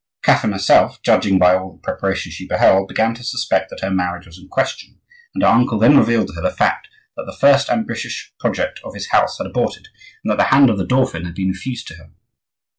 Catherine herself, judging by all the preparations she beheld, began to suspect that her marriage was in question, and her uncle then revealed to her the fact that the first ambitious project of his house had aborted, and that the hand of the dauphin had been refused to her.